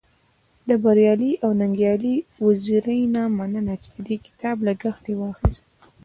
د بريالي او ننګيالي وزيري نه مننه چی د دې کتاب لګښت يې واخست.